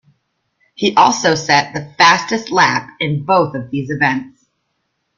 He also set the fastest lap in both of these events.